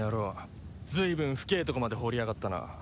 随分深えとこまで掘りやがったな。